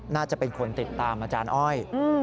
น่าจะเป็นคนติดตามอาจารย์อ้อย